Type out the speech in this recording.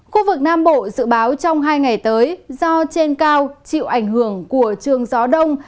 khu vực nam bộ dự báo trong hai ngày tới do trên cao chịu ảnh hưởng của trường gió đông